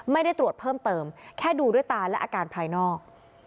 ไม่ได้ตรวจเพิ่มเติมแค่ดูด้วยตาและอาการภายนอก